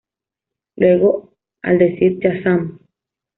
Luego, al decir "¡Shazam!